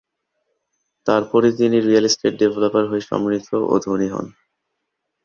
তারপরে তিনি real estate developer হয়ে সমৃদ্ধ ও ধনী হন।